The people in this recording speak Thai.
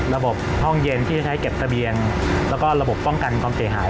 ระบบห้องเย็นที่จะใช้เก็บทะเบียนแล้วก็ระบบป้องกันความเสียหาย